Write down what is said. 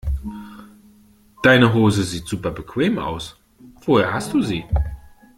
Deine Hose sieht super bequem aus, woher hast du sie?